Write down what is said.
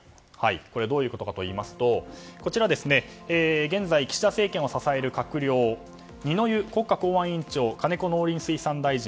これはどういうことかというと現在、岸田政権を支える閣僚二之湯国家公安委員長金子農林水産大臣。